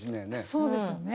そうですよね。